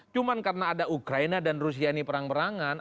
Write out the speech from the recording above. cuma karena ada ukraina dan rusia ini perang perangan